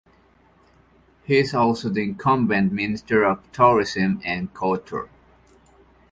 He is also the incumbent Minister of Tourism and Culture.